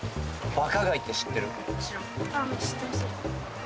バカガイ知ってる？